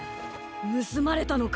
ぬすまれたのか？